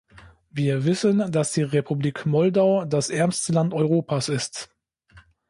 Wir wissen, dass die Republik Moldau das ärmste Land Europas ist.